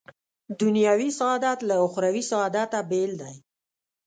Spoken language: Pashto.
دنیوي سعادت له اخروي سعادته بېل دی.